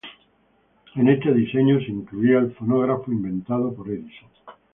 En este diseño se incluía el fonógrafo inventado por Edison.